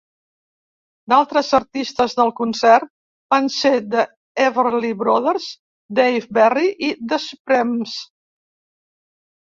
D'altres artistes del concert van ser The Everly Brothers, Dave Berry i The Supremes.